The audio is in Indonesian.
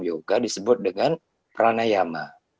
yoga disebut dengan pranayama